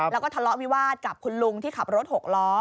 แล้วก็ทะเลาะวิวาสกับคุณลุงที่ขับรถหกล้อ